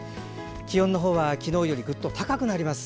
気温は昨日よりぐっと高くなります。